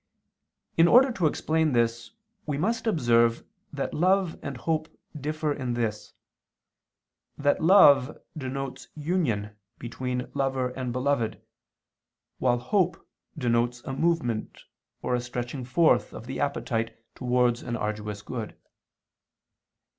In order to explain this we must observe that love and hope differ in this, that love denotes union between lover and beloved, while hope denotes a movement or a stretching forth of the appetite towards an arduous good.